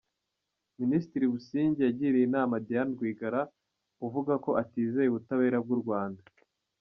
Minisitiri Busingye yagiriye inama Diane Rwigara uvuga ko atizeye ubutabera bw’ u Rwanda.